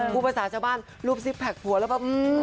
ผู้ประสาทเจ้าบ้านรูปซิกแพคผัวแล้วแบบ